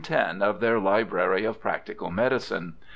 x of their Library of Practical Medicine.